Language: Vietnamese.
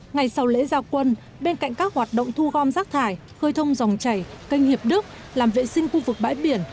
ngày sau lễ giao quân bên cạnh các hoạt động thu gom rác thải khơi thông dòng chảy kênh hiệp đức làm vệ sinh khu vực bãi biển